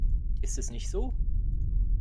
Ist es nicht so?